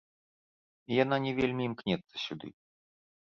І яна не вельмі імкнецца сюды.